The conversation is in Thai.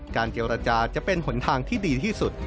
การเจียวราชาจะเป็นหนทางที่ดีที่สุด